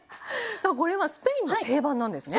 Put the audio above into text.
さあこれはスペインの定番なんですね？